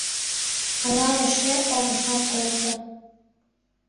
Ала эше огешат колто.